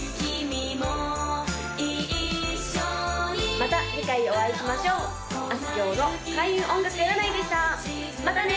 また次回お会いしましょうあすきょうの開運音楽占いでしたまたね！